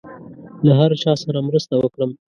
له هر چا سره مرسته وکړم.